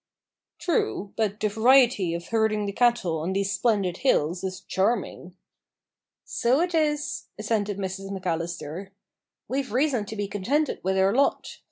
"True, but the variety of herding the cattle on these splendid hills is charming." "So it is," assented Mrs McAllister; "we've reason to be contented with our lot.